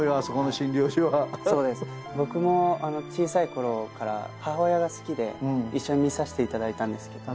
僕も小さいころから母親が好きで一緒に見さしていただいたんですけど。